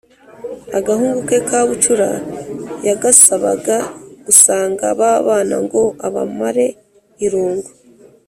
agahungu ke kabucura yagasabaga gusanga babana ngo abamare irungu.